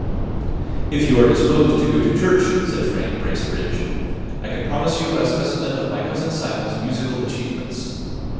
"If you are disposed to go to church," said Frank Bracebridge, "I can promise you a specimen of my cousin Simon's musical achievements.